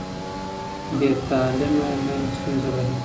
بې تعلیمه میندې ستونزه لري.